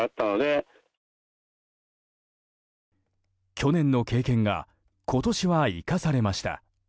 去年の経験が今年は生かされました。